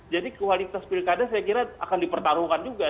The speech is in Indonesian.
jadi kualitas pilkada saya kira akan dipertaruhkan juga